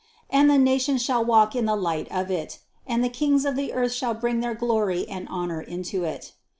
24. And the nations shall walk in the light of it; and the kings of the earth shall bring their glory and honor into it.